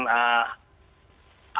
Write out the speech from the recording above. ada terjadi pencuri